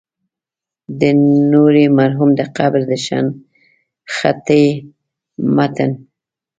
د نوري مرحوم د قبر د شنختې متن.